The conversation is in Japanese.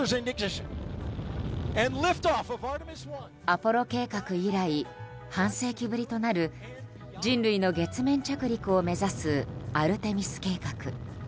アポロ計画以来半世紀ぶりとなる人類の月面着陸を目指すアルテミス計画。